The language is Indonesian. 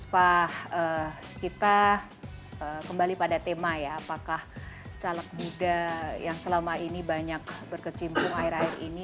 pak kita kembali pada tema ya apakah caleg buddha yang selama ini banyak berkecimpung air air ini